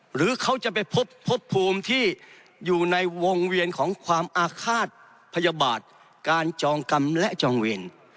หรือเขาจะไปพบพบภูมิที่อยู่ในวงเวียนของความอาฆาตพยาบาทการจองกรรมและจองเวร